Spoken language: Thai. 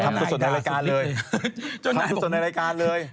ทำสดสดในรายการเลย